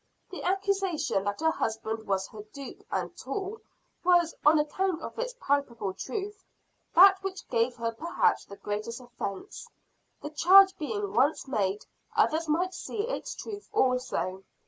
The accusation that her husband was her dupe and tool was, on account of its palpable truth, that which gave her perhaps the greatest offence. The charge being once made, others might see its truth also.